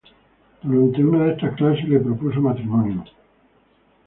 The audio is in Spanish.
Durante una de estas clases le propuso matrimonio.